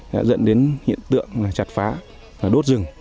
đã dẫn đến hiện tượng chặt phá và đốt rừng